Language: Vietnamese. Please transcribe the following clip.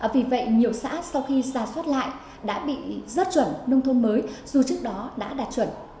vì vậy nhiều xã sau khi ra soát lại đã bị rớt chuẩn nông thôn mới dù trước đó đã đạt chuẩn